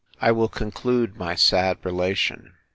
I will conclude my sad relation.